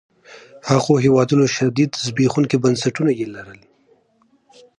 هغو هېوادونو شدید زبېښونکي بنسټونه يې لرل.